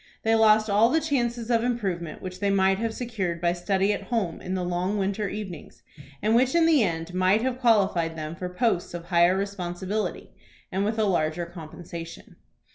They lost all the chances of improvement which they might have secured by study at home in the long winter evenings, and which in the end might have qualified them for posts of higher responsibility, and with a larger compensation.